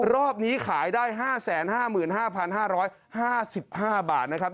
รอบนี้ขายได้๕๕บาทนะครับ